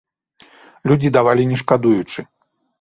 Людзі давалі не шкадуючы.